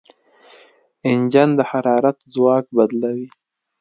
انجن د حرارت ځواک بدلوي.